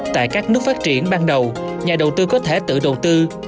tại các nước phát triển ban đầu nhà đầu tư có thể tự đầu tư